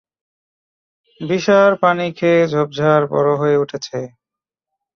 বিষাঁর পানি পেয়ে ঝোপঝাড় বড় হয়ে উঠেছে।